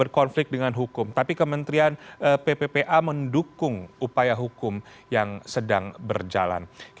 terima kasih atas perhatian dan kesabaran yang menunggu